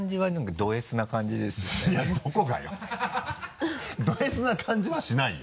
ドＳな感じはしないよ。